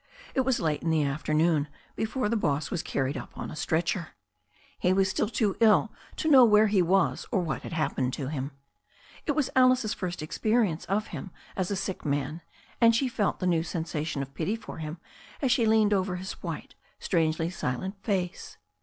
It was late in the afternoon before the boss was carried up on a stretcher. He was still too ill to know where he was or what had happened to him. It was Alice's first experience of him as a sick man, and she felt the new sensation of pity for him as she leaned over his white, strangely silent face.